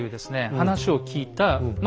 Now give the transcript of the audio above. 話を聞いたまあ